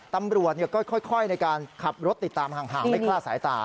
ตำรวจก็ค่อยในการขับรถติดตามห่างไม่คลาดสายตา